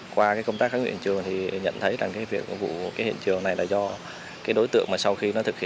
qua điều tra công an huyện trảng bom đã bắt được đối tượng võ tấn phát một mươi chín tuổi